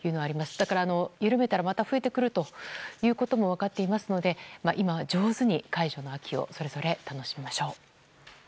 だから、緩めたらまた増えてくるということも分かっていますので今は上手に解除の日をそれぞれ楽しみましょう。